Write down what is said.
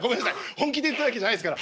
本気で言ったわけじゃないですから。